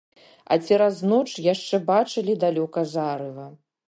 А цераз ноч яшчэ бачылі далёка зарыва.